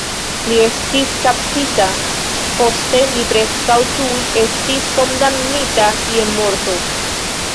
Li estis kaptita, poste li preskaŭ tuj estis kondamnita je morto.